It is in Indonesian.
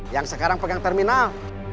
yang sekarang pegang terminal